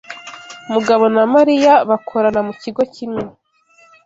Mugabo na Mariya bakorana mu kigo kimwe.